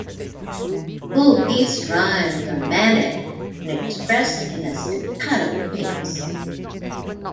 Kool Keith's rhymes are manic and expressed in a staccato pace.